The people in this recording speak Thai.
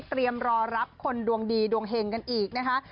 เตรียมรอรับคนดวงดีดวงเหงกันอีกนะคะ